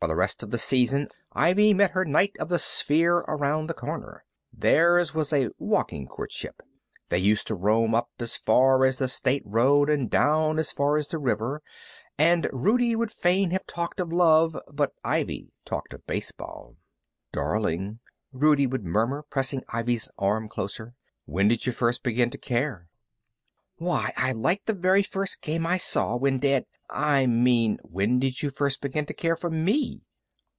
For the rest of the season Ivy met her knight of the sphere around the corner. Theirs was a walking courtship. They used to roam up as far as the State road, and down as far as the river, and Rudie would fain have talked of love, but Ivy talked of baseball. "Darling," Rudie would murmur, pressing Ivy's arm closer, "when did you first begin to care?" "Why I liked the very first game I saw when Dad " "I mean, when did you first begin to care for me?"